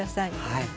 はい。